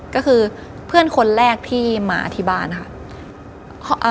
ก็คือเพื่อนคนแรกที่มาที่บ้านค่ะ